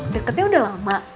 deketnya udah lama